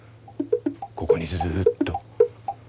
ここにずっと。